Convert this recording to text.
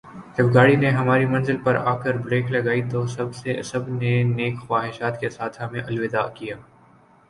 جب گاڑی نے ہماری منزل پر آ کر بریک لگائی تو سب نے نیک خواہشات کے ساتھ ہمیں الوداع کیا